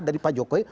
dari pak jokowi